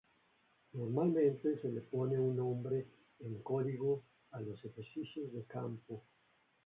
Normalmente se les pone un nombre en código a los ejercicios de campo.